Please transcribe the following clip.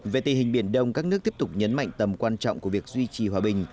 về tình hình biển đông các nước tiếp tục nhấn mạnh tầm quan trọng của việc duy trì hòa bình